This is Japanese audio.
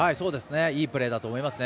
いいプレーだと思いますね。